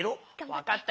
わかった。